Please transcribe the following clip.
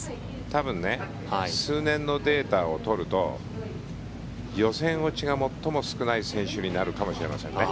多分数年のデータを取ると予選落ちが最も少ない選手になるかもしれませんね。